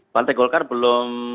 partai golkar belum